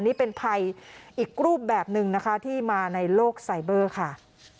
นี่เป็นภัยอีกรูปแบบหนึ่งนะคะที่มาในโลกไซเบอร์ค่ะ